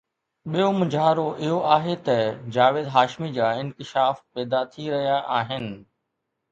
ٻيو مونجهارو اهو آهي ته جاويد هاشمي جا انڪشاف پيدا ٿي رهيا آهن.